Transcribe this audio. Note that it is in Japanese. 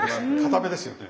かためですよね。